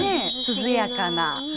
涼やかな。